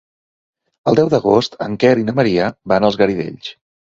El deu d'agost en Quer i na Maria van als Garidells.